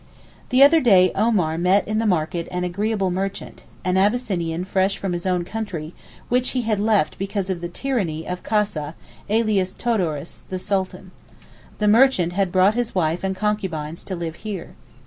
The other day Omar met in the market an 'agreeable merchant,' an Abyssinian fresh from his own country, which he had left because of the tyranny of Kassa, alias Todoros, the Sultan. The merchant had brought his wife and concubines to live here.